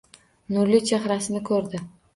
Nurli chehrasini ko‘rdi